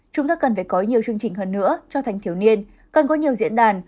chúng ta cần phải có nhiều chương trình hơn nữa cho thanh thiếu niên cần có nhiều diễn đàn